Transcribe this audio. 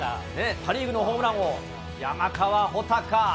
パ・リーグのホームラン王、山川穂高。